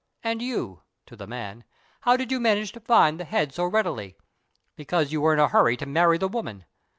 And you, [to the man], how did you manage to find the head so readily? _Because you were in a hurry to marry the woman.